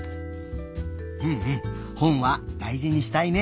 うんうんほんはだいじにしたいね。